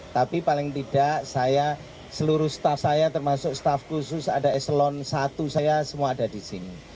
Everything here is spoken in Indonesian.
tapi paling tidak saya seluruh staff saya termasuk staff khusus ada eselon i saya semua ada di sini